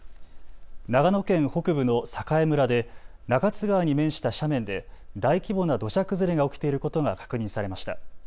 長野県北部の栄村で中津川に面した斜面で大規模な土砂崩れが起きていることが確認されました。